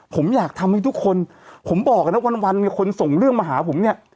ผมอยากทำให้ทุกคนผมบอกวันมีคนส่งเรื่องมาหาผม